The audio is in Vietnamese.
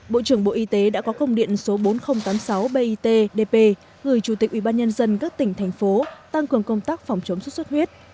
bộ trưởng bộ y tế đã có công điện số bốn nghìn tám mươi sáu bitdp gửi chủ tịch ubnd các tỉnh thành phố tăng cường công tác phòng chống xuất xuất huyết